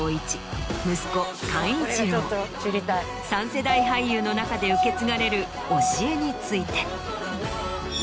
３世代俳優の中で受け継がれる教えについて。